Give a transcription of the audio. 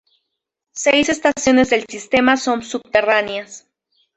Seis estaciones del sistema son subterráneas.